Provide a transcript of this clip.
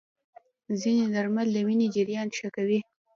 ځینې درمل د وینې جریان ښه کوي.